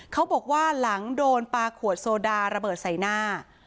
เขาบอกว่าหลังโดนปลาขวดโซดาระเบิดใส่หน้า